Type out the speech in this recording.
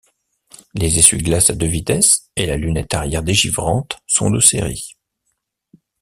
Les essuie-glaces à deux vitesses et la lunette arrière dégivrante sont de série.